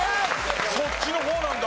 そっちの方なんだ。